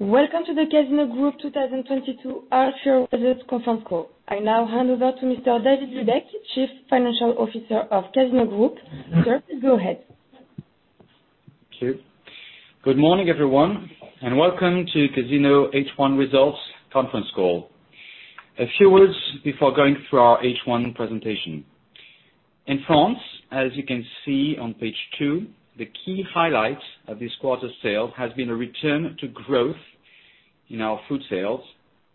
Welcome to the Casino Group 2022 half-year results conference call. I now hand over to Mr. David Lubek, Chief Financial Officer of Casino Group. Sir, go ahead. Thank you. Good morning, everyone, and welcome to Casino H1 results conference call. A few words before going through our H1 presentation. In France, as you can see on page two, the key highlights of this quarter's sales has been a return to growth in our food sales,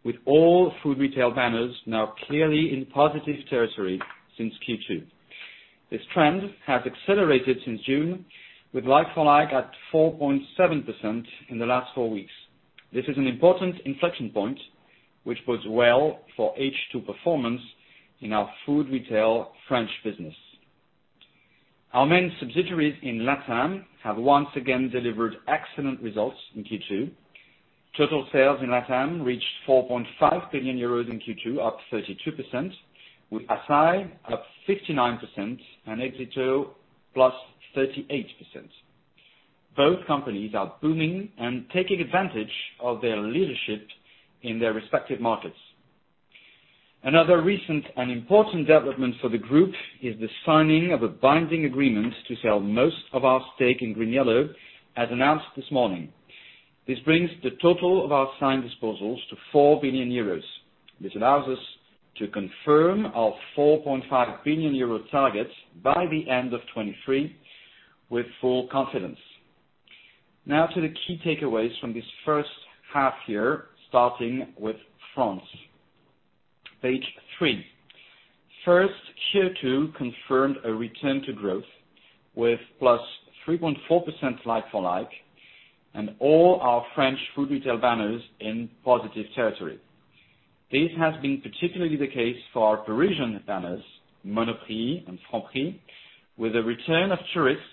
with all food retail banners now clearly in positive territory since Q2. This trend has accelerated since June with like-for-like at 4.7% in the last four weeks. This is an important inflection point which bodes well for H2 performance in our food retail French business. Our main subsidiaries in LatAm have once again delivered excellent results in Q2. Total sales in LatAm reached 4.5 billion euros in Q2, up 32%, with Assaí up 69% and Éxito +38%. Both companies are booming and taking advantage of their leadership in their respective markets. Another recent and important development for the group is the signing of a binding agreement to sell most of our stake in GreenYellow as announced this morning. This brings the total of our signed disposals to 4 billion euros, which allows us to confirm our 4.5 billion euro target by the end of 2023 with full confidence. Now to the key takeaways from this first half year, starting with France. Page three. First, Q2 confirmed a return to growth with +3.4% like-for-like and all our French food retail banners in positive territory. This has been particularly the case for our Parisian banners, Monoprix and Franprix, with a return of tourists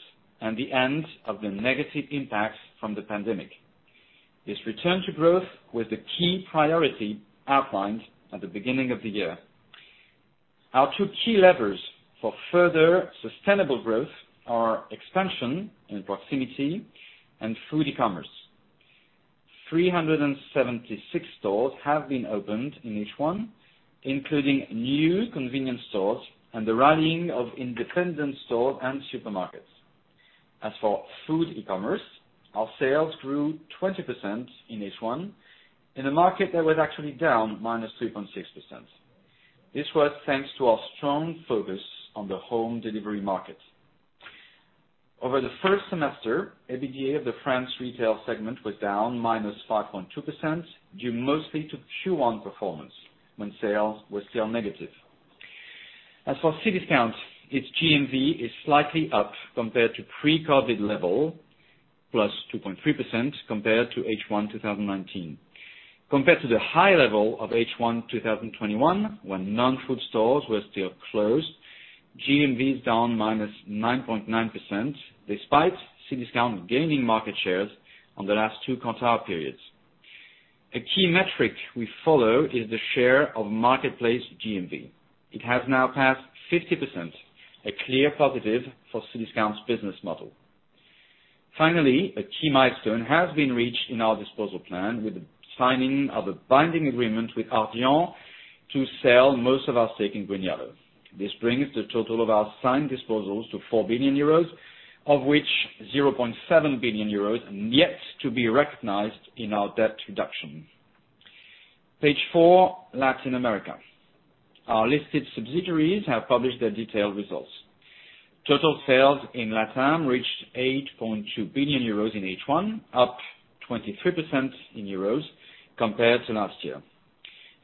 and the end of the negative impacts from the pandemic. This return to growth was the key priority outlined at the beginning of the year. Our two key levers for further sustainable growth are expansion and proximity and food e-commerce. 376 stores have been opened in each one, including new convenience stores and the running of independent stores and supermarkets. As for food e-commerce, our sales grew 20% in H1 in a market that was actually down -3.6%. This was thanks to our strong focus on the home delivery market. Over the first semester, EBITDA of the France retail segment was down -5.2% due mostly to Q1 performance when sales were still negative. As for Cdiscount, its GMV is slightly up compared to pre-COVID level, +2.3% compared to H1 2019. Compared to the high level of H1 2021, when non-food stores were still closed, GMV is down -9.9% despite Cdiscount gaining market shares on the last two quarter periods. A key metric we follow is the share of marketplace GMV. It has now passed 50%, a clear positive for Cdiscount's business model. Finally, a key milestone has been reached in our disposal plan with the signing of a binding agreement with Ardian to sell most of our stake in GreenYellow. This brings the total of our signed disposals to 4 billion euros, of which 0.7 billion euros are yet to be recognized in our debt reduction. Page four, Latin America. Our listed subsidiaries have published their detailed results. Total sales in LatAm reached 8.2 billion euros in H1, up 23% in euros compared to last year.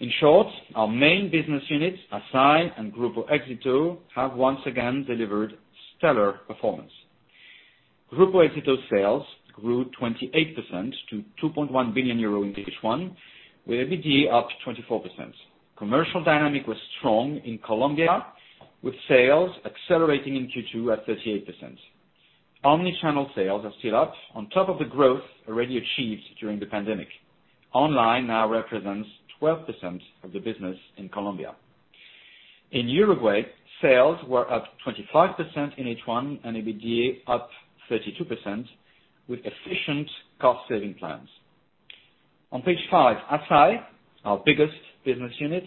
In short, our main business units, Assaí and Grupo Éxito, have once again delivered stellar performance. Grupo Éxito sales grew 28% to 2.1 billion euro in H1, with EBITDA up 24%. Commercial dynamic was strong in Colombia, with sales accelerating in Q2 at 38%. Omnichannel sales are still up on top of the growth already achieved during the pandemic. Online now represents 12% of the business in Colombia. In Uruguay, sales were up 25% in H1 and EBITDA up 32% with efficient cost-saving plans. On page five, Assaí, our biggest business unit,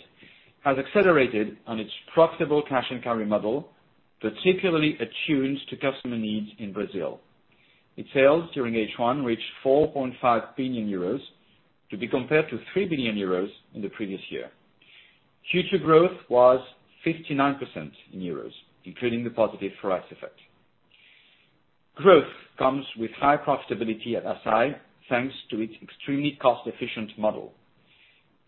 has accelerated on its profitable cash and carry model, particularly attuned to customer needs in Brazil. Its sales during H1 reached 4.5 billion euros to be compared to 3 billion euros in the previous year. Future growth was 59% in euros, including the positive forex effect. Growth comes with high profitability at Assaí, thanks to its extremely cost-efficient model.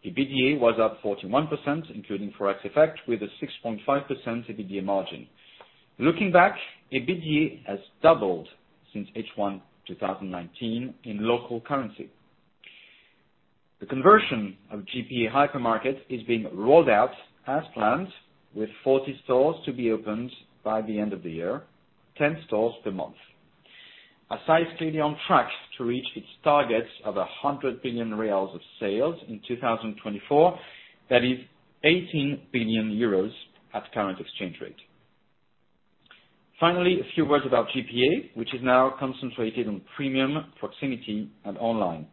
EBITDA was up 41%, including forex effect, with a 6.5% EBITDA margin. Looking back, EBITDA has doubled since H1 2019 in local currency. The conversion of GPA Hypermarket is being rolled out as planned, with 40 stores to be opened by the end of the year, 10 stores per month. Assaí is clearly on track to reach its targets of 100 billion reais of sales in 2024, that is 18 billion euros at current exchange rate. Finally, a few words about GPA, which is now concentrated on premium, proximity, and online.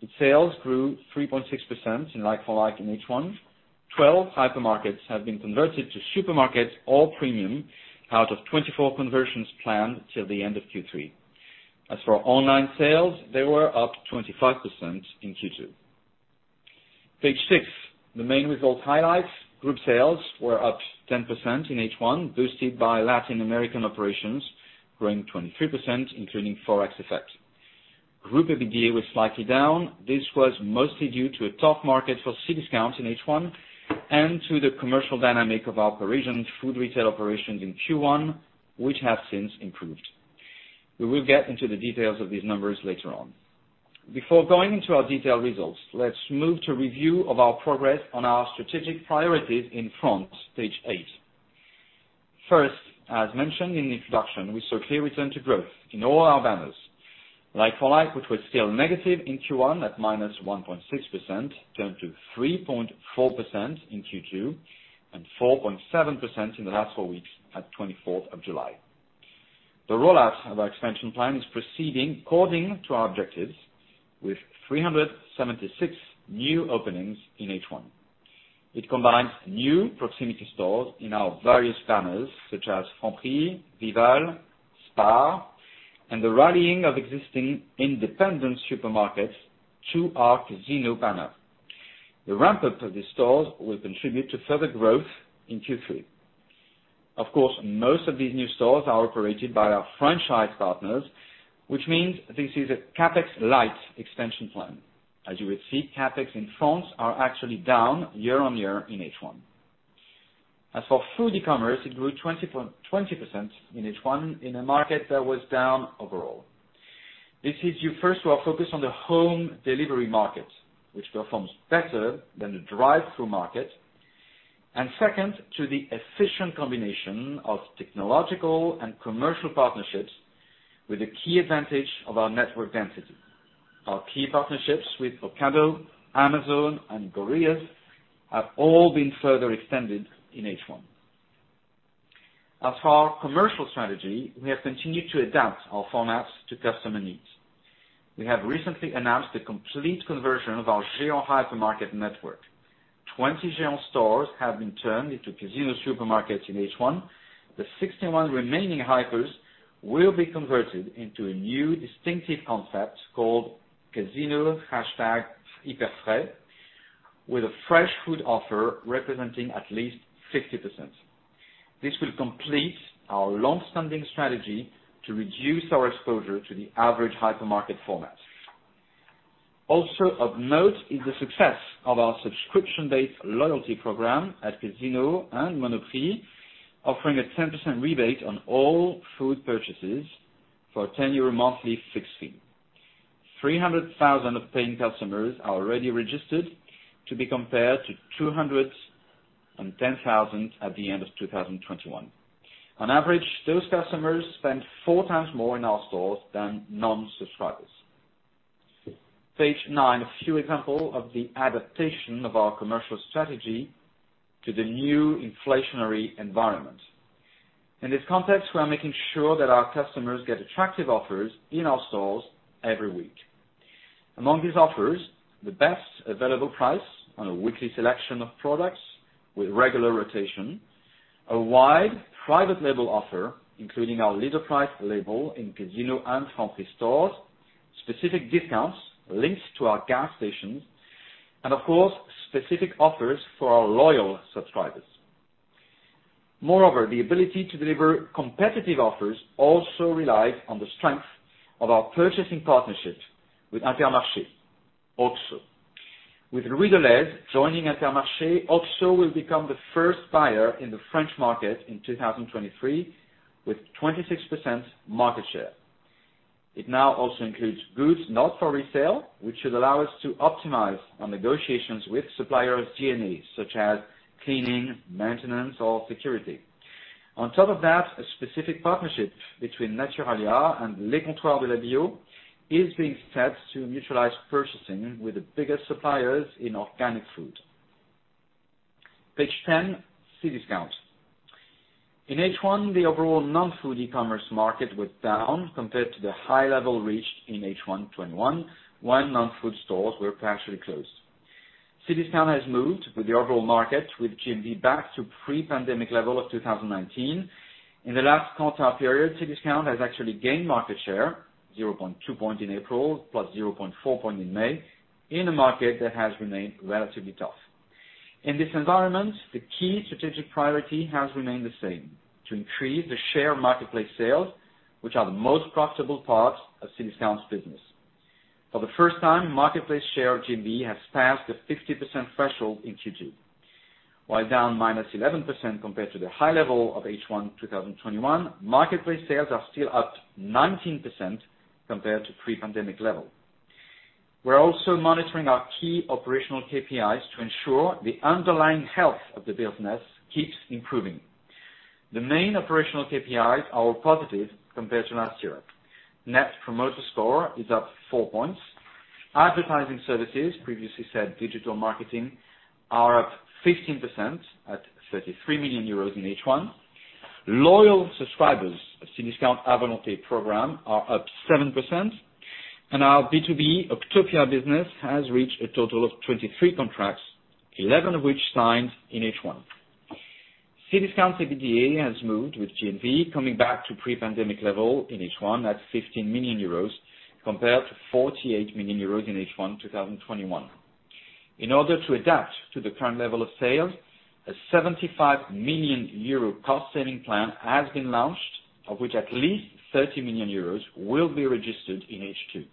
Its sales grew 3.6% in like-for-like in H1. 12 hypermarkets have been converted to supermarkets, all premium, out of 24 conversions planned till the end of Q3. As for online sales, they were up 25% in Q2. Page 6, the main result highlights. Group sales were up 10% in H1, boosted by Latin American operations growing 23%, including forex effect. Group EBITDA was slightly down. This was mostly due to a tough market for Cdiscount in H1 and to the commercial dynamic of our Parisian food retail operations in Q1, which have since improved. We will get into the details of these numbers later on. Before going into our detailed results, let's move to review of our progress on our strategic priorities in France, Page eight. First, as mentioned in the introduction, we saw clear return to growth in all our banners. Like-for-like, which was still negative in Q1 at -1.6%, turned to 3.4% in Q2 and 4.7% in the last four weeks at July 24. The rollout of our expansion plan is proceeding according to our objectives with 376 new openings in H1. It combines new proximity stores in our various banners such as Franprix, Vival, Spar, and the rallying of existing independent supermarkets to our Casino banner. The ramp-up of these stores will contribute to further growth in Q3. Of course, most of these new stores are operated by our franchise partners, which means this is a CapEx-light expansion plan. As you would see, CapEx in France are actually down year-on-year in H1. As for food e-commerce, it grew 20% in H1 in a market that was down overall. This is due first to our focus on the home delivery market, which performs better than the drive-through market, and second, to the efficient combination of technological and commercial partnerships with the key advantage of our network density. Our key partnerships with Ocado, Amazon, and Gorillas have all been further extended in H1. As for our commercial strategy, we have continued to adapt our formats to customer needs. We have recently announced a complete conversion of our Géant hypermarket network. 20 Géant stores have been turned into Casino supermarkets in H1. The 61 remaining hypers will be converted into a new distinctive concept called Casino #Hyper Frais, with a fresh food offer representing at least 60%. This will complete our long-standing strategy to reduce our exposure to the average hypermarket format. Also of note is the success of our subscription-based loyalty program at Casino and Monoprix, offering a 10% rebate on all food purchases for a 10 euro monthly fixed fee. 300,000 paying customers are already registered to be compared to 210,000 at the end of 2021. On average, those customers spend four times more in our stores than non-subscribers. Page eight, a few examples of the adaptation of our commercial strategy to the new inflationary environment. In this context, we are making sure that our customers get attractive offers in our stores every week. Among these offers, the best available price on a weekly selection of products with regular rotation, a wide private label offer, including our Leader Price label in Casino and Franprix stores, specific discounts linked to our gas stations, and of course, specific offers for our loyal subscribers. Moreover, the ability to deliver competitive offers also relies on the strength of our purchasing partnerships with Intermarché Auxo. With Louis Delhaize joining Intermarché Auxo will become the first buyer in the French market in 2023, with 26% market share. It now also includes goods not for resale, which should allow us to optimize our negotiations with suppliers of G&A, such as cleaning, maintenance, or security. On top of that, a specific partnership between Naturalia and Le Comptoir de la Bio is being set to mutualize purchasing with the biggest suppliers in organic food. Page 10, Cdiscount. In H1, the overall non-food e-commerce market was down compared to the high level reached in H1 2021, when non-food stores were partially closed. Cdiscount has moved with the overall market, with GMV back to pre-pandemic level of 2019. In the last quarter period, Cdiscount has actually gained market share, 0.2 point in April, +0.4 point in May, in a market that has remained relatively tough. In this environment, the key strategic priority has remained the same, to increase the share of marketplace sales, which are the most profitable parts of Cdiscount's business. For the first time, marketplace share GMV has passed the 50% threshold in Q2. While down -11% compared to the high level of H1 2021, marketplace sales are still up 19% compared to pre-pandemic level. We're also monitoring our key operational KPIs to ensure the underlying health of the business keeps improving. The main operational KPIs are positive compared to last year. Net Promoter Score is up 4 points. Advertising services, previously said digital marketing, are up 15% at 33 million euros in H1. Loyal subscribers of Cdiscount program are up 7%, and our B2B Octopia business has reached a total of 23 contracts, 11 of which signed in H1. Cdiscount EBITDA has moved with GMV coming back to pre-pandemic level in H1 at 15 million euros compared to 48 million euros in H1 2021. In order to adapt to the current level of sales, a 75 million euro cost saving plan has been launched, of which at least 30 million euros will be registered in H2.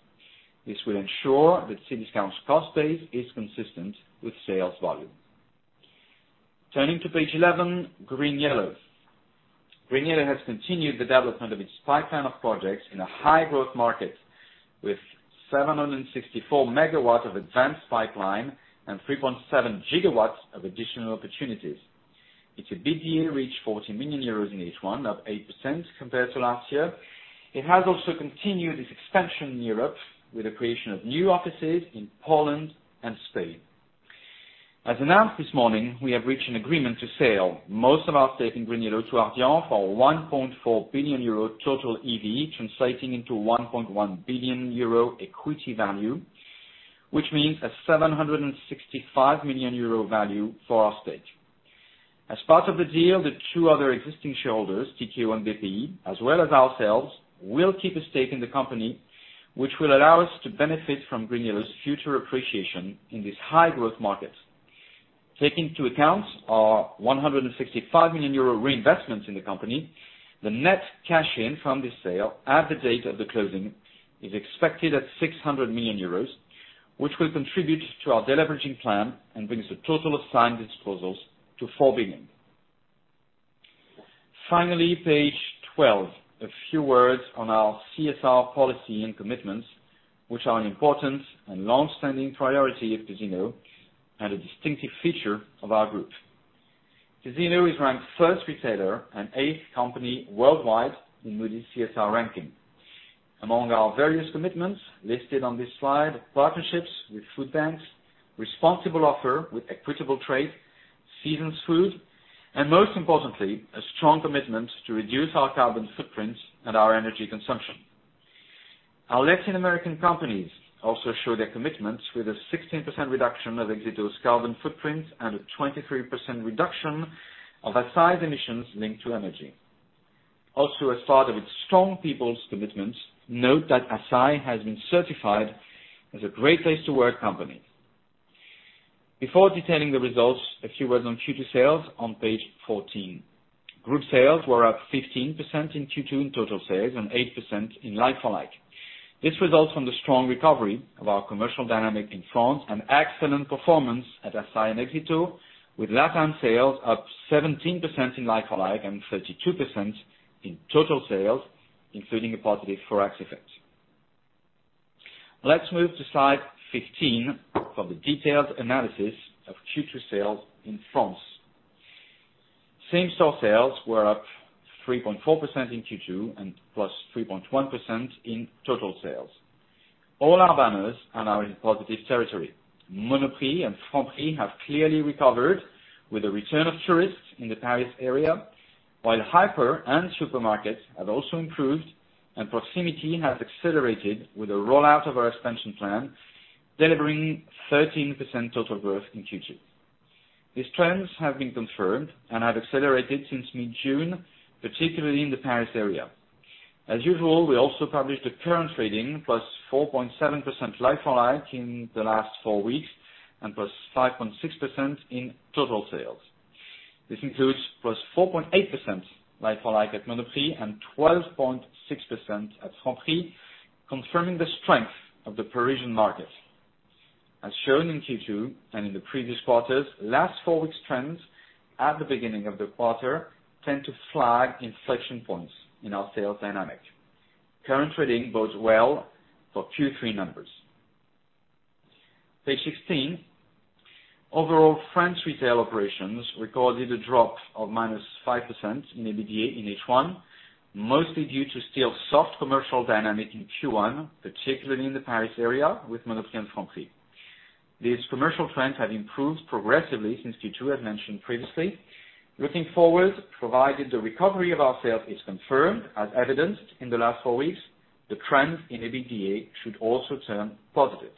This will ensure that Cdiscount's cost base is consistent with sales volume. Turning to page 11, GreenYellow. GreenYellow has continued the development of its pipeline of projects in a high growth market with 764 MW of advanced pipeline and 3.7 GW of additional opportunities. Its EBITDA reached 40 million euros in H1, up 8% compared to last year. It has also continued its expansion in Europe with the creation of new offices in Poland and Spain. As announced this morning, we have reached an agreement to sell most of our stake in GreenYellow to Ardian for 1.4 billion euro total EV, translating into 1.1 billion euro equity value, which means a 765 million euro value for our stake. As part of the deal, the two other existing shareholders, TQ and BP, as well as ourselves, will keep a stake in the company, which will allow us to benefit from GreenYellow's future appreciation in this high growth market. Taking into account our 165 million euro reinvestments in the company, the net cash in from the sale at the date of the closing is expected at 600 million euros, which will contribute to our deleveraging plan and brings the total of signed disposals to 4 billion. Finally, page 12. A few words on our CSR policy and commitments, which are an important and long-standing priority of Cdiscount and a distinctive feature of our group. Cdiscount is ranked first retailer and eighth company worldwide in Moody's CSR ranking. Among our various commitments listed on this slide, partnerships with food banks, responsible offer with equitable trade, seasonal food, and most importantly, a strong commitment to reduce our carbon footprint and our energy consumption. Our Latin American companies also show their commitments with a 16% reduction of Éxito's carbon footprint and a 23% reduction of Assaí's emissions linked to energy. Also, as part of its strong people's commitments, note that Assaí has been certified as a great place to work company. Before detailing the results, a few words on Q2 sales on page 14. Group sales were up 15% in Q2 in total sales and 8% in like-for-like. This results from the strong recovery of our commercial dynamic in France and excellent performance at Assaí and Éxito, with LatAm sales up 17% in like-for-like and 32% in total sales, including a positive forex effect. Let's move to slide 15 for the detailed analysis of Q2 sales in France. Same-store sales were up 3.4% in Q2 and +3.1% in total sales. All our banners are now in positive territory. Monoprix and Franprix have clearly recovered with the return of tourists in the Paris area, while hypermarkets and supermarkets have also improved, and proximity has accelerated with the rollout of our expansion plan, delivering 13% total growth in Q2. These trends have been confirmed and have accelerated since mid-June, particularly in the Paris area. As usual, we also published a current trading +4.7% like-for-like in the last four weeks and +5.6% in total sales. This includes +4.8% like-for-like at Monoprix and 12.6% at Franprix, confirming the strength of the Parisian market. As shown in Q2 and in the previous quarters, last 4 weeks trends at the beginning of the quarter tend to flag inflection points in our sales dynamic. Current trading bodes well for Q3 numbers. Page 16. Overall, France retail operations recorded a drop of -5% in EBITDA in H1, mostly due to still soft commercial dynamic in Q1, particularly in the Paris area with Monoprix and Franprix. These commercial trends have improved progressively since Q2 as mentioned previously. Looking forward, provided the recovery of our sales is confirmed as evidenced in the last four weeks, the trend in EBITDA should also turn positive.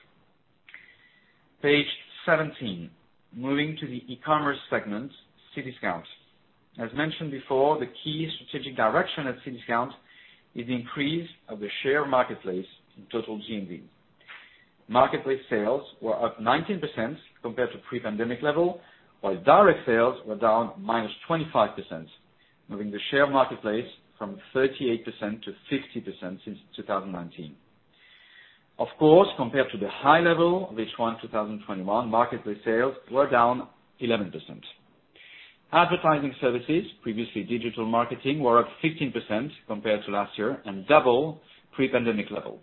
Page 17. Moving to the e-commerce segment, Cdiscount. As mentioned before, the key strategic direction at Cdiscount is the increase of the share marketplace in total GMV. Marketplace sales were up 19% compared to pre-pandemic level, while direct sales were down -25%, moving the share marketplace from 38% to 50% since 2019. Of course, compared to the high level of H1 2021, marketplace sales were down 11%. Advertising services, previously digital marketing, were up 15% compared to last year and double pre-pandemic level.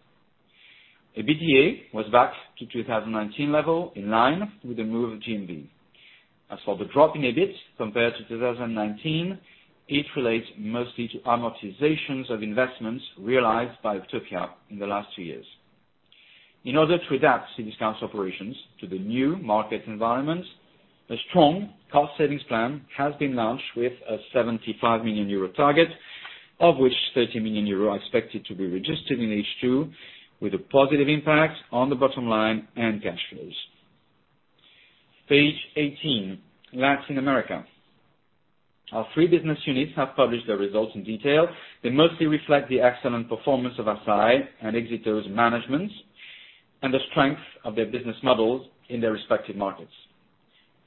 EBITDA was back to 2019 level in line with the move of GMV. As for the drop in EBIT compared to 2019, it relates mostly to amortizations of investments realized by Octopia in the last two years. In order to adapt Cdiscount's operations to the new market environment, a strong cost savings plan has been launched with a 75 million euro target, of which 30 million euro are expected to be registered in H2, with a positive impact on the bottom line and cash flows. Page 18, Latin America. Our three business units have published their results in detail. They mostly reflect the excellent performance of Assaí and Éxito's management and the strength of their business models in their respective markets.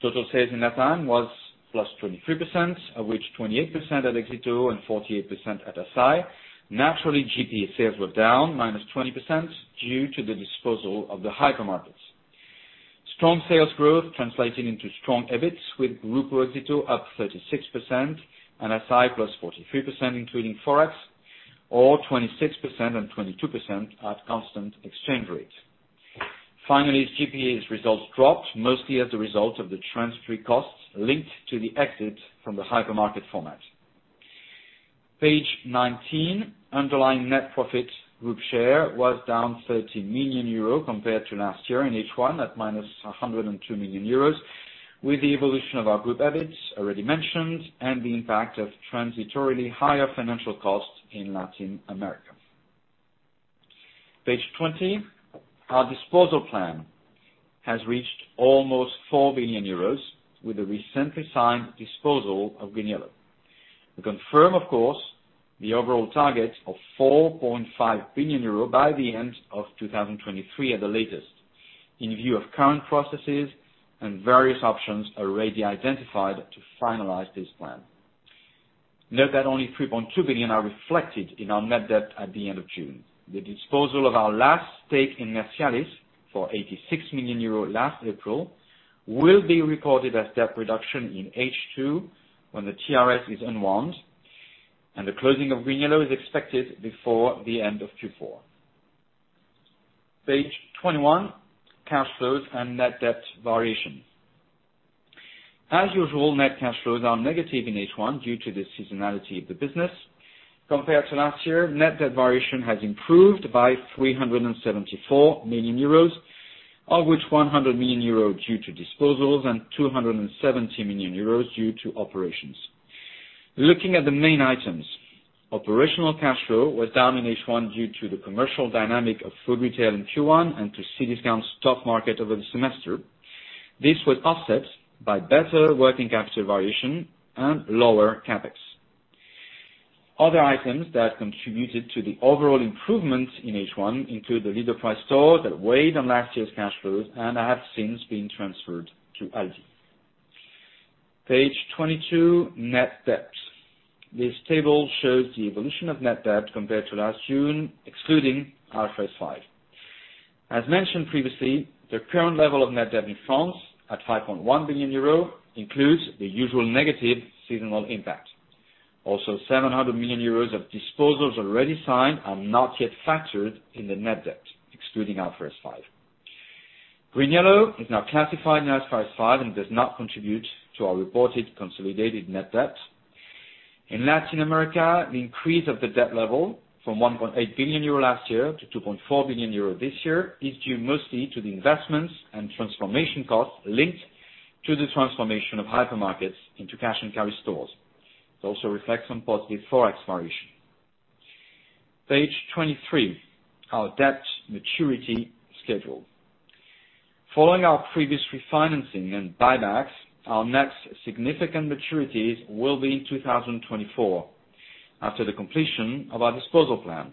Total sales in Latin was +23%, of which 28% at Éxito and 48% at Assaí. Naturally, GPA sales were down -20% due to the disposal of the hypermarkets. Strong sales growth translating into strong EBIT with Grupo Éxito up +36% and Assaí +43%, including forex, or 26% and 22% at constant exchange rates. Finally, GPA's results dropped mostly as a result of the transitory costs linked to the exit from the hypermarket format. Page 19, underlying net profit group share was down 30 million euro compared to last year in H1 at -102 million euros, with the evolution of our group EBIT already mentioned and the impact of transitorily higher financial costs in Latin America. Page 20. Our disposal plan has reached almost 4 billion euros with the recently signed disposal of GreenYellow. We confirm, of course, the overall target of 4.5 billion euro by the end of 2023 at the latest, in view of current processes and various options already identified to finalize this plan. Note that only 3.2 billion are reflected in our net debt at the end of June. The disposal of our last stake in Mercialys for 86 million euros last April will be recorded as debt reduction in H2 when the TRS is unwound, and the closing of GreenYellow is expected before the end of Q4. Page 21, cash flows and net debt variation. As usual, net cash flows are negative in H1 due to the seasonality of the business. Compared to last year, net debt variation has improved by 374 million euros, of which 100 million euros due to disposals and 270 million euros due to operations. Looking at the main items, operational cash flow was down in H1 due to the commercial dynamic of food retail in Q1 and to Cdiscount's stock buildup over the semester. This was offset by better working capital variation and lower CapEx. Other items that contributed to the overall improvement in H1 include the Leader Price store that weighed on last year's cash flows and have since been transferred to Aldi. Page 22, net debt. This table shows the evolution of net debt compared to last June, excluding IFRS 5. As mentioned previously, the current level of net debt in France at 5.1 billion euro includes the usual negative seasonal impact. Also, 700 million euros of disposals already signed are not yet factored in the net debt, excluding IFRS 5. GreenYellow is now classified in IFRS 5 and does not contribute to our reported consolidated net debt. In Latin America, the increase of the debt level from 1.8 billion euro last year to 2.4 billion euro this year is due mostly to the investments and transformation costs linked to the transformation of hypermarkets into cash and carry stores. It also reflects on positive forex variation. Page 23, our debt maturity schedule. Following our previous refinancing and buybacks, our next significant maturities will be in 2024 after the completion of our disposal plan.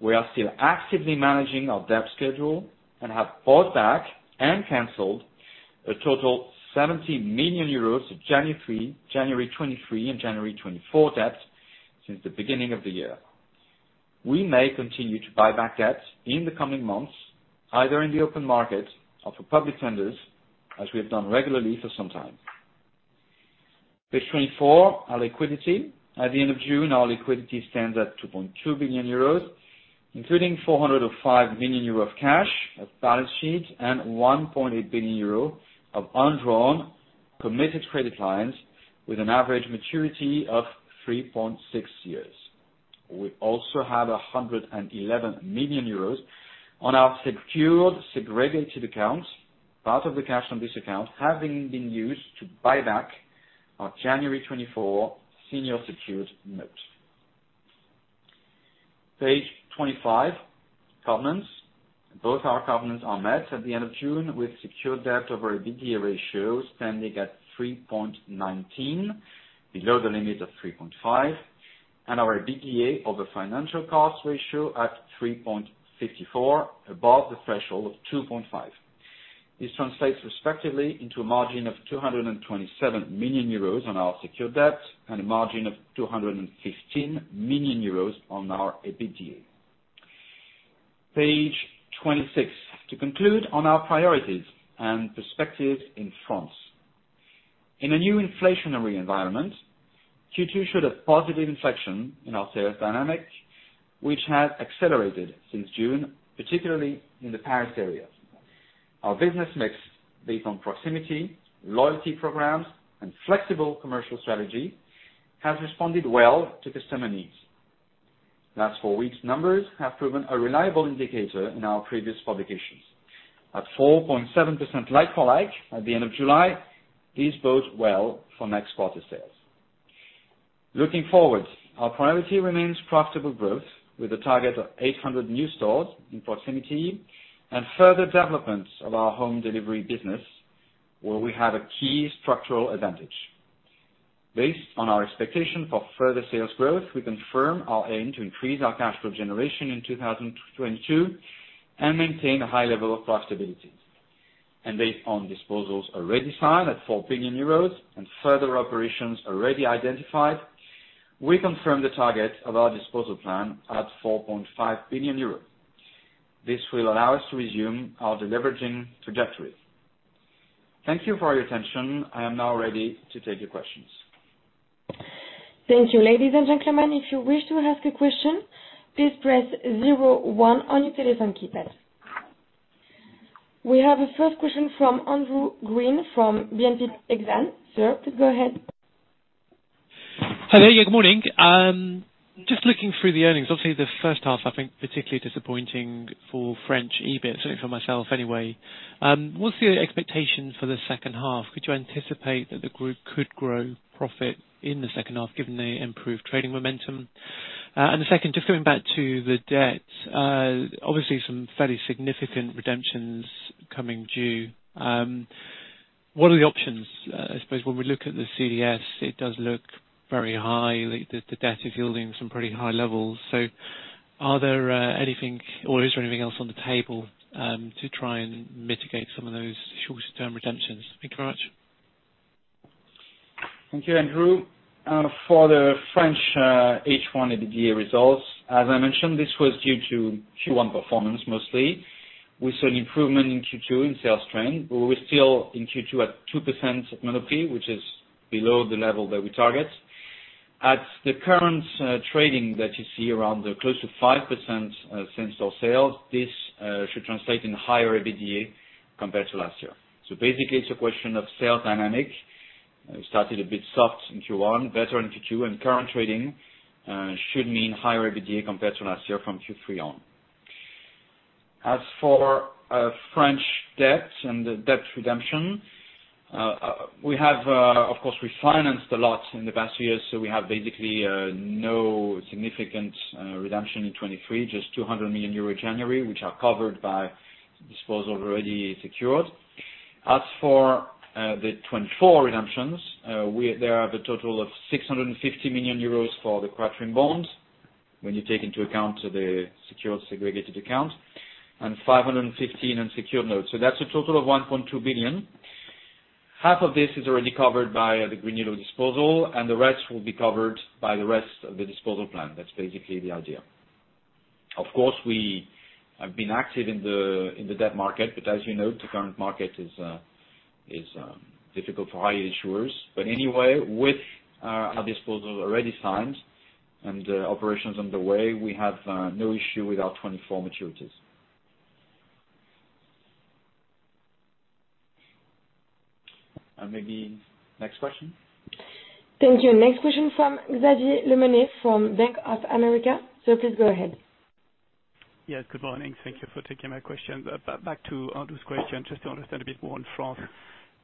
We are still actively managing our debt schedule and have bought back and canceled a total 70 million euros of January 23 and January 24 debt since the beginning of the year. We may continue to buy back debt in the coming months, either in the open market or for public tenders, as we have done regularly for some time. Page 24, our liquidity. At the end of June, our liquidity stands at 2.2 billion euros, including 405 million euros of cash on balance sheets and 1.8 billion euros of undrawn committed credit lines with an average maturity of 3.6 years. We also have 111 million euros on our secured segregated accounts. Part of the cash on this account have been used to buy back our January 2024 senior secured note. Page 25, covenants. Both our covenants are met at the end of June with secured debt over EBITDA ratio standing at 3.19 below the limit of 3.5 and our EBITDA over financial cost ratio at 3.54 above the threshold of 2.5. This translates respectively into a margin of 227 million euros on our secured debt and a margin of 215 million euros on our EBITDA. Page 26, to conclude on our priorities and perspective in France. In a new inflationary environment. Q2 showed a positive inflection in our sales dynamic, which has accelerated since June, particularly in the Paris area. Our business mix based on proximity, loyalty programs, and flexible commercial strategy has responded well to customer needs. Last four weeks numbers have proven a reliable indicator in our previous publications. At 4.7% like-for-like at the end of July, these bode well for next quarter sales. Looking forward, our priority remains profitable growth, with a target of 800 new stores in proximity and further development of our home delivery business, where we have a key structural advantage. Based on our expectation for further sales growth, we confirm our aim to increase our cash flow generation in 2022, and maintain a high level of profitability. Based on disposals already signed at 4 billion euros and further operations already identified, we confirm the target of our disposal plan at 4.5 billion euros. This will allow us to resume our deleveraging trajectory. Thank you for your attention. I am now ready to take your questions. Thank you. Ladies and gentlemen, if you wish to ask a question, please press zero one on your telephone keypad. We have a first question from Andrew Gwynn from BNP Paribas. Sir, go ahead. Hello, good morning. Just looking through the earnings, obviously the first half, I think, particularly disappointing for French EBIT, certainly for myself anyway. What's the expectation for the second half? Could you anticipate that the group could grow profit in the second half given the improved trading momentum? And the second, just going back to the debt, obviously some fairly significant redemptions coming due. What are the options? I suppose when we look at the CDS, it does look very high. The debt is yielding some pretty high levels. Are there anything or is there anything else on the table to try and mitigate some of those short-term redemptions? Thank you very much. Thank you, Andrew. For the French H1 EBITDA results, as I mentioned, this was due to Q1 performance mostly, with an improvement in Q2 in sales trend. We're still in Q2 at 2% Monoprix, which is below the level that we target. At the current trading that you see around close to 5% same store sales, this should translate in higher EBITDA compared to last year. Basically it's a question of sales dynamic. Started a bit soft in Q1, better in Q2, and current trading should mean higher EBITDA compared to last year from Q3 on. As for French debt and debt redemption, we have, of course, refinanced a lot in the past years, so we have basically no significant redemption in 2023, just 200 million euro in January, which are covered by disposal already secured. As for the 2024 redemptions, there are the total of 650 million euros for the Quatrem bonds when you take into account the secured segregated account and 515 million in unsecured notes. So that's a total of 1.2 billion. Half of this is already covered by the GreenYellow disposal, and the rest will be covered by the rest of the disposal plan. That's basically the idea. Of course, we have been active in the debt market, but as you know, the current market is difficult for high-yield issuers. Anyway, with our disposal already signed and operations underway, we have no issue with our 24 maturities. Maybe next question. Thank you. Next question from Xavier Le Mené from Bank of America. Sir, please go ahead. Yes, good morning. Thank you for taking my question. Back to Andrew's question, just to understand a bit more on France.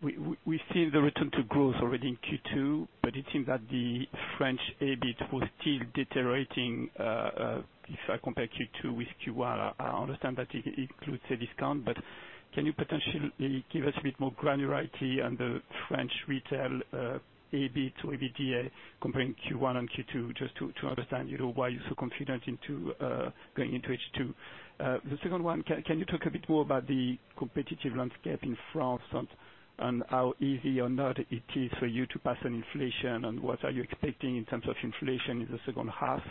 We've seen the return to growth already in Q2, but it seems that the French EBIT was still deteriorating, if I compare Q2 with Q1. I understand that it includes a discount, but can you potentially give us a bit more granularity on the French retail EBIT to EBITDA comparing Q1 and Q2, just to understand, you know, why you're so confident into going into H2? The second one, can you talk a bit more about the competitive landscape in France and how easy or not it is for you to pass on inflation, and what are you expecting in terms of inflation in the second half?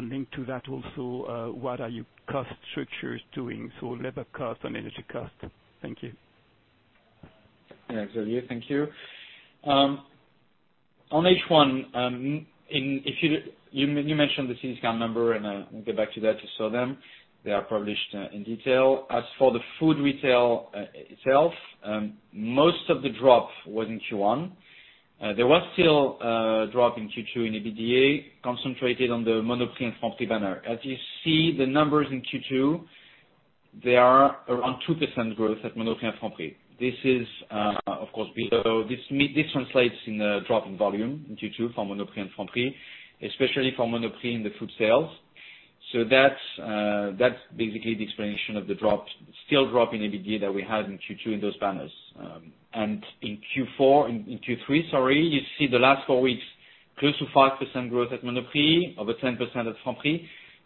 Linked to that also, what are your cost structures doing? Labor cost and energy cost. Thank you. Yeah. Xavier, thank you. On H1, if you mentioned the CDS account number, we'll get back to that to show them. They are published in detail. As for the food retail itself, most of the drop was in Q1. There was still a drop in Q2 in EBITDA concentrated on the Monoprix and Franprix banner. As you see the numbers in Q2, they are around 2% growth at Monoprix and Franprix. This is of course below. This translates in a drop in volume in Q2 for Monoprix and Franprix, especially for Monoprix in the food sales. That's basically the explanation of the drop, still drop in EBITDA that we had in Q2 in those banners. In Q3, you see the last four weeks, close to 5% growth at Monoprix, over 10% at Franprix.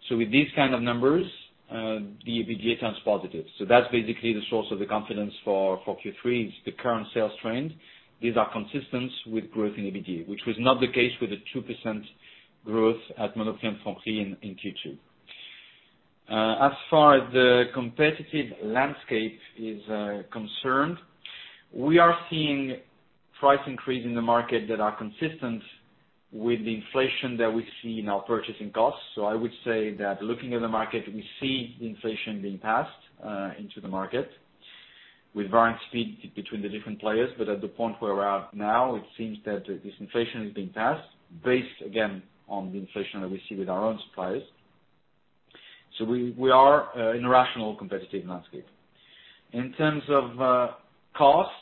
With these kind of numbers, the EBITDA turns positive. That's basically the source of the confidence for Q3. It's the current sales trend. These are consistent with growth in EBITDA, which was not the case with the 2% growth at Monoprix and Franprix in Q2. As far as the competitive landscape is concerned, we are seeing price increase in the market that are consistent with the inflation that we see in our purchasing costs. I would say that looking at the market, we see inflation being passed into the market with varying speed between the different players. At the point where we're at now, it seems that this inflation is being passed based, again, on the inflation that we see with our own suppliers. We are in a rational, competitive landscape. In terms of costs,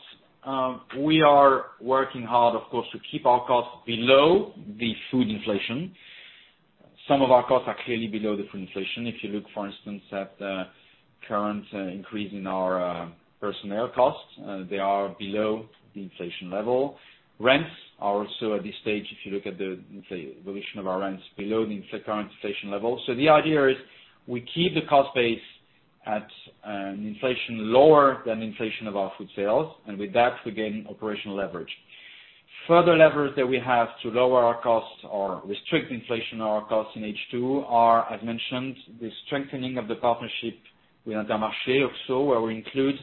we are working hard, of course, to keep our costs below the food inflation. Some of our costs are clearly below the food inflation. If you look, for instance, at current increase in our personnel costs, they are below the inflation level. Rents are also at this stage, if you look at the inflation, the evolution of our rents below the current inflation level. The idea is we keep the cost base at an inflation lower than inflation of our food sales, and with that, we gain operational leverage. Further leverage that we have to lower our costs or restrict inflation on our costs in H2 are, as mentioned, the strengthening of the partnership with Intermarché Auxo where we include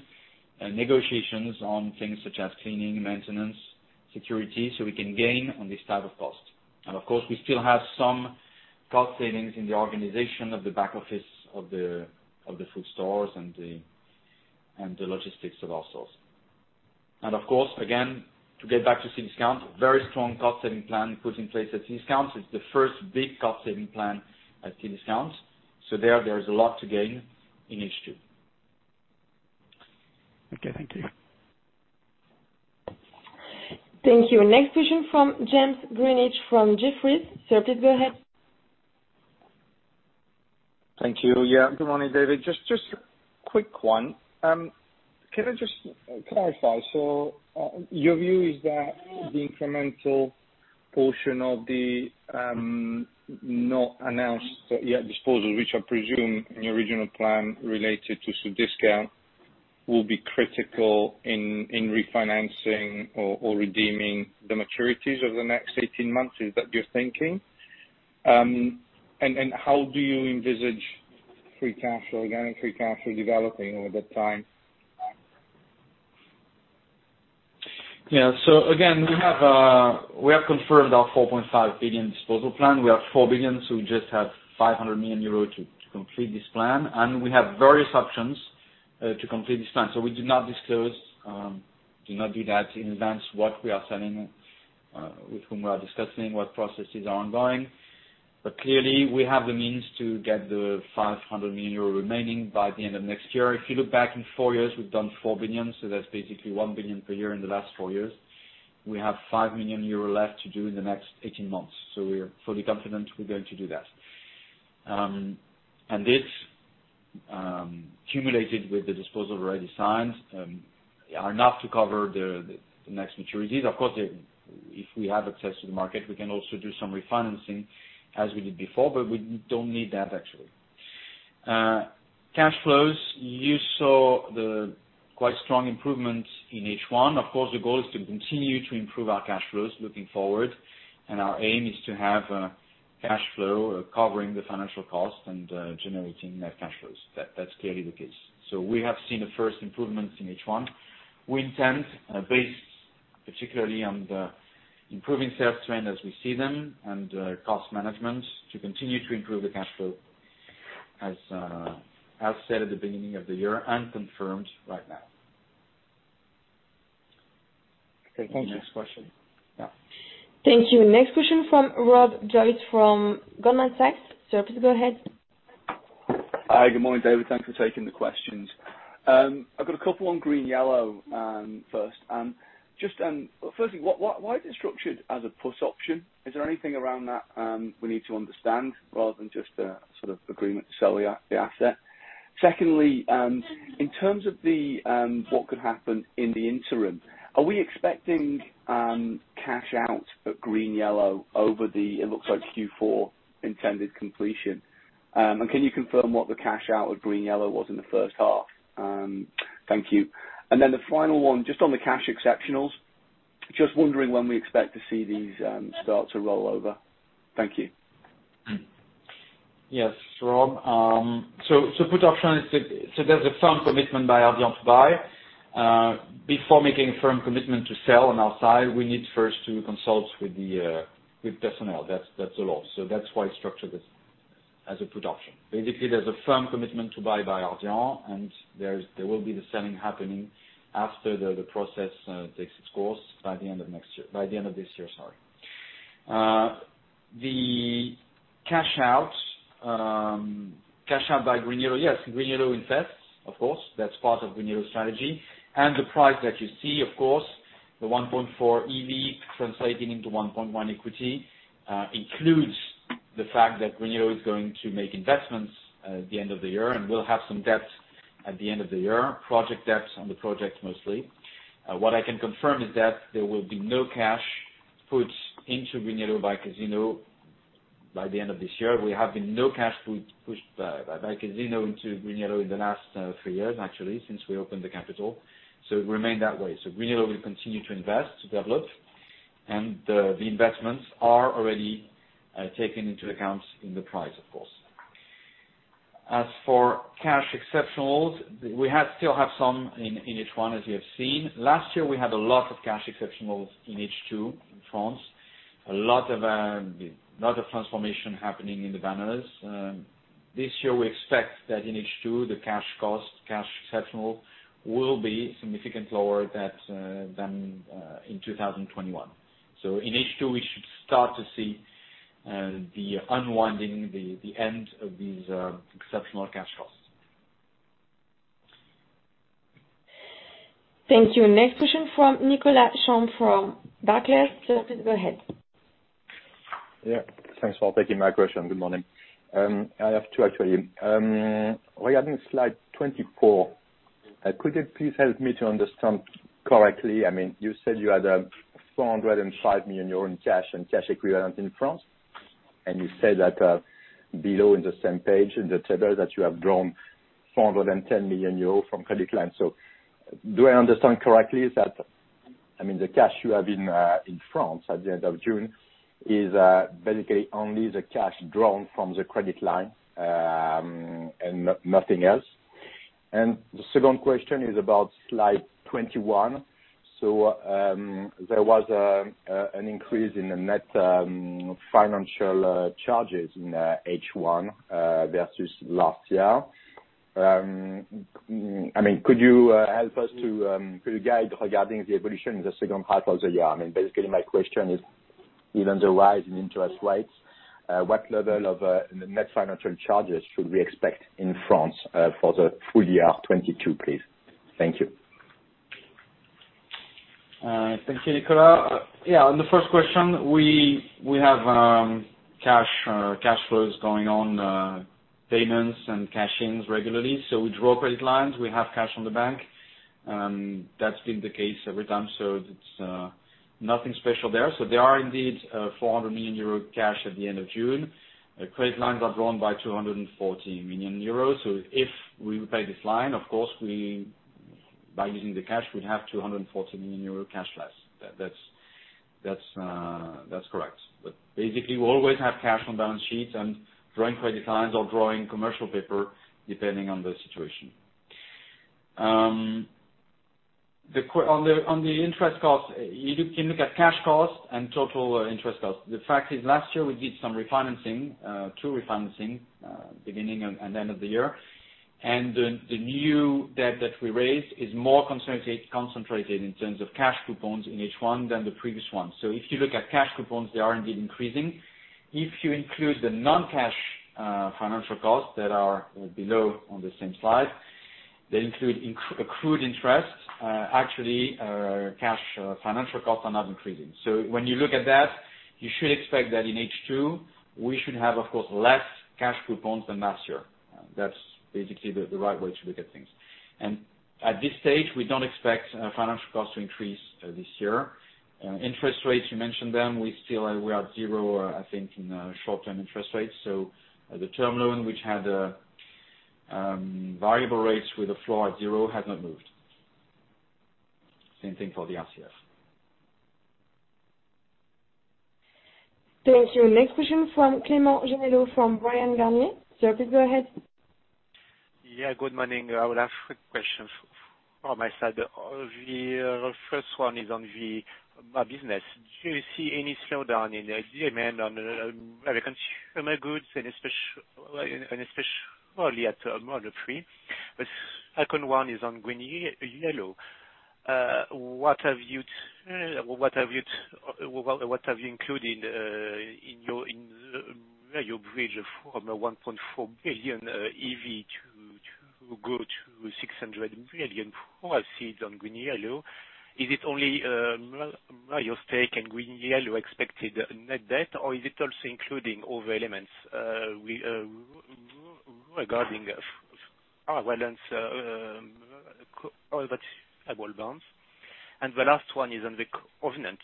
negotiations on things such as cleaning, maintenance, security, so we can gain on this type of cost. Of course, we still have some cost savings in the organization of the back office of the food stores and the logistics of our stores. Of course, again, to get back to Cdiscount, very strong cost-saving plan put in place at Cdiscount. It's the first big cost-saving plan at Cdiscount. There is a lot to gain in H2. Okay. Thank you. Thank you. Next question from James Grzinic from Jefferies. Sir, please go ahead. Thank you. Yeah. Good morning, David. Just a quick one. Can I just clarify? Your view is that the incremental portion of the not announced yet disposal, which I presume in your original plan related to Cdiscount, will be critical in refinancing or redeeming the maturities over the next 18 months. Is that your thinking? And how do you envisage free cash flow, again, free cash flow developing over that time? Yeah. Again, we have confirmed our 4.5 billion disposal plan. We have 4 billion, so we just have 500 million euros to complete this plan. We have various options to complete this plan. We do not disclose in advance what we are selling, with whom we are discussing, what processes are ongoing. Clearly, we have the means to get the 500 million euro remaining by the end of next year. If you look back in four years, we've done 4 billion, so that's basically 1 billion per year in the last four years. We have 5 million euro left to do in the next 18 months, so we're fully confident we're going to do that. This cumulated with the disposal already signed are enough to cover the next maturities. Of course, if we have access to the market, we can also do some refinancing as we did before, but we don't need that actually. Cash flows, you saw the quite strong improvements in H1. Of course, the goal is to continue to improve our cash flows looking forward, and our aim is to have cash flow covering the financial cost and generating net cash flows. That's clearly the case. We have seen the first improvements in H1. We intend, based particularly on the improving sales trend as we see them and cost management to continue to improve the cash flow as said at the beginning of the year and confirmed right now. Okay. Thank you. Next question. Yeah. Thank you. Next question from Rob Joyce from Goldman Sachs. Sir, please go ahead. Hi. Good morning, David. Thanks for taking the questions. I've got a couple on GreenYellow, first. Just, firstly, why is it structured as a put option? Is there anything around that we need to understand rather than just a sort of agreement to sell the asset? Secondly, in terms of what could happen in the interim, are we expecting cash out at GreenYellow over the, it looks like Q4 intended completion? And can you confirm what the cash out of GreenYellow was in the first half? Thank you. Then the final one, just on the cash exceptionals, just wondering when we expect to see these start to roll over. Thank you. Yes, Rob. Put option is the. There's a firm commitment by Ardian to buy. Before making firm commitment to sell on our side, we need first to consult with the personnel. That's the law. That's why it's structured as a put option. Basically, there's a firm commitment to buy by Ardian, and there will be the selling happening after the process takes its course by the end of this year, sorry. The cash out by GreenYellow, yes, GreenYellow invests, of course. That's part of GreenYellow's strategy. The price that you see, of course, the 1.4 EV translating into 1.1 equity, includes the fact that GreenYellow is going to make investments at the end of the year and will have some debt at the end of the year, project debts on the project mostly. What I can confirm is that there will be no cash put into GreenYellow by Casino by the end of this year. We have had no cash pushed by Casino into GreenYellow in the last three years, actually, since we opened the capital. It will remain that way. GreenYellow will continue to invest to develop. The investments are already taken into account in the price, of course. As for cash exceptionals, we still have some in H1 as you have seen. Last year we had a lot of cash exceptionals in H2 in France, a lot of transformation happening in the banners. This year we expect that in H2, the cash exceptionals will be significantly lower than in 2021. In H2 we should start to see the unwinding, the end of these exceptional cash flows. Thank you. Next question from Nicolas Champ from Barclays. Sir, please go ahead. Yeah, thanks for taking my question. Good morning. I have two actually. Regarding slide 24, could you please help me to understand correctly? I mean, you said you had 405 million euro in cash and cash equivalents in France, and you said that, below in the same page in the table that you have drawn 410 million euros from credit lines. Do I understand correctly that, I mean, the cash you have in France at the end of June is basically only the cash drawn from the credit line, and nothing else? The second question is about slide 21. There was an increase in the net financial charges in H1 versus last year. I mean, could you guide regarding the evolution in the second half of the year? I mean, basically my question is given the rise in interest rates, what level of net financial charges should we expect in France, for the full year 2022, please? Thank you. Thank you, Nicolas. Yeah, on the first question, we have cash flows going on, payments and cash-ins regularly. We draw credit lines, we have cash in the bank. That's been the case every time. It's nothing special there. There are indeed 400 million euro cash at the end of June. The credit lines are drawn by 214 million euros. If we repay this line, of course, by using the cash, we have 214 million euro cash less. That's correct. But basically, we always have cash on the balance sheet and drawing credit lines or drawing commercial paper, depending on the situation. On the interest costs, you can look at cash costs and total interest costs. The fact is last year we did some refinancing, two refinancing, beginning and end of the year. The new debt that we raised is more concentrated in terms of cash coupons in H1 than the previous one. If you look at cash coupons, they are indeed increasing. If you include the non-cash financial costs that are below on the same slide, they include accrued interest. Actually, cash financial costs are not increasing. When you look at that, you should expect that in H2 we should have, of course, less cash coupons than last year. That's basically the right way to look at things. At this stage, we don't expect financial costs to increase this year. Interest rates, you mentioned them, we are zero, I think in short-term interest rates. The term loan which had variable rates with a floor of zero has not moved. Same thing for the RCF. Thank you. Next question from Clément Genelot from Bryan, Garnier & Co. Sir, please go ahead. Yeah, good morning. I will have quick questions from my side. The first one is on the M&A business. Do you see any slowdown in the demand on consumer goods and especially only at Monoprix? The second one is on GreenYellow. What have you included in your bridge from 1.4 billion EV to 600 billion proceeds on GreenYellow? Is it only your stake in GreenYellow expected net debt or is it also including other elements with regard to the balance sheet and all that bond? The last one is on the covenant.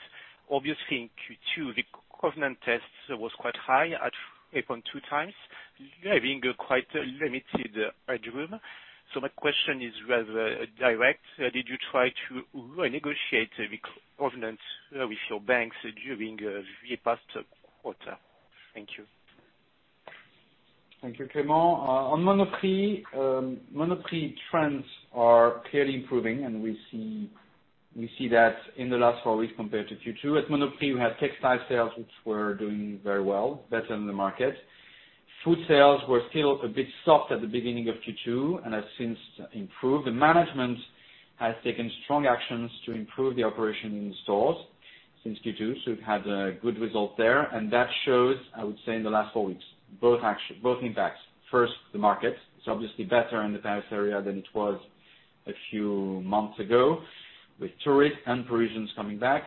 Obviously, in Q2, the covenant tests was quite high at 8.2x, leaving quite a limited headroom. My question is rather direct. Did you try to renegotiate the covenant with your banks during the past quarter? Thank you. Thank you, Clément. On Monoprix trends are clearly improving and we see that in the last four weeks compared to Q2. At Monoprix we had textile sales which were doing very well, better than the market. Food sales were still a bit soft at the beginning of Q2, and have since improved. The management has taken strong actions to improve the operation in the stores since Q2, so we've had a good result there. That shows, I would say, in the last four weeks, both impacts. First, the market. It's obviously better in the Paris area than it was a few months ago with tourists and Parisians coming back.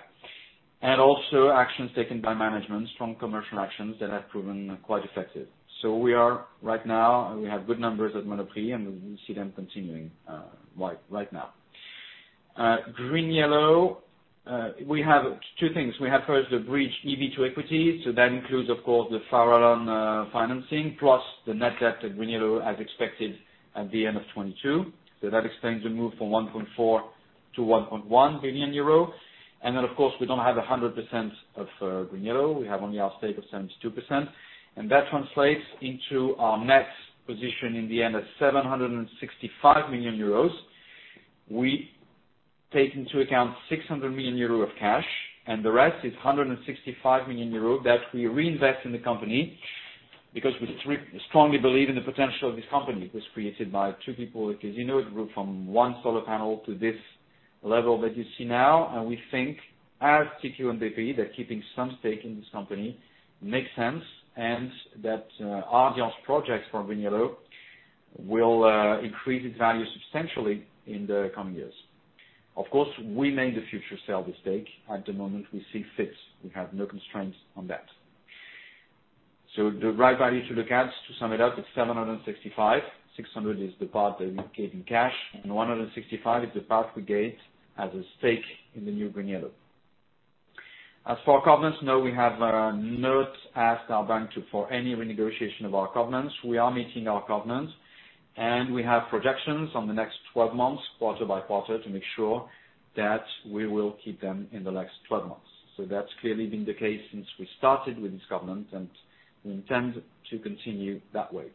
Also actions taken by management, strong commercial actions that have proven quite effective. We are right now, we have good numbers at Monoprix, and we see them continuing right now. GreenYellow, we have two things. We have first the bridge EBITDA to equity. That includes of course the follow-on financing plus the net debt of GreenYellow as expected at the end of 2022. That explains the move from 1.4 billion to 1.1 billion euro. Then of course we don't have 100% of GreenYellow. We have only our stake of 72%. That translates into our net position in the end of 765 million euros. We take into account 600 million euro of cash, and the rest is 165 million euro that we reinvest in the company because we strongly believe in the potential of this company. It was created by two people, as you know, it grew from one solar panel to this level that you see now. We think as TQ and BP that keeping some stake in this company makes sense and that, Ardian's projects for GreenYellow will increase its value substantially in the coming years. Of course, we may in the future sell the stake. At the moment we see fit. We have no constraints on that. The right value to look at, to sum it up, is 765. 600 is the part that we gave in cash, and 165 is the part we gave as a stake in the new GreenYellow. As for our covenants, no, we have not asked our bank for any renegotiation of our covenants. We are meeting our covenants, and we have projections on the next twelve months, quarter by quarter, to make sure that we will keep them in the next 12 months. That's clearly been the case since we started with this covenant, and we intend to continue that way.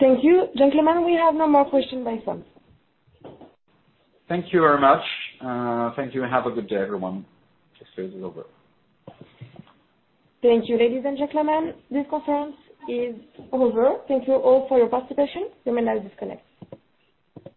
Thank you. Gentlemen, we have no more question by phone. Thank you very much. Thank you and have a good day, everyone. Thank you, ladies and gentlemen. This conference is over. Thank you all for your participation. You may now disconnect.